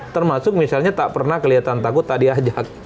termasuk misalnya tak pernah kelihatan takut tak diajak